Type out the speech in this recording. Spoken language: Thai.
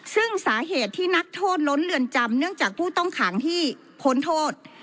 ซึ่งสาเหตุที่นักโทษล้นเรือนจำเนื่องจากผู้ต้องขังที่พ้นโทษ